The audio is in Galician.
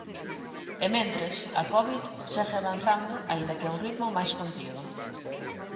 E mentres, a covid segue avanzando aínda que a un ritmo máis contido.